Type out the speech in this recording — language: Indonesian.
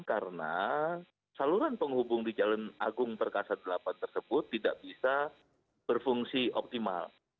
karena saluran penghubung di jalan agung perkasa delapan tersebut tidak bisa berfungsi optimal